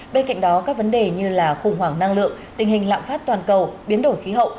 bên cạnh đó các vấn đề như là khủng hoảng năng lượng tình hình lạm phát toàn cầu biến đổi khí hậu